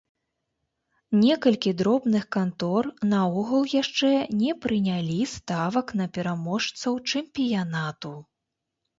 Некалькі дробных кантор наогул яшчэ не прынялі ставак на пераможцаў чэмпіянату.